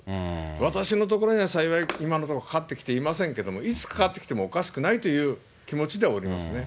私のところには幸い今のところかかってきてませんけれども、いつかかってきてもおかしくないという気持ちでおりますね。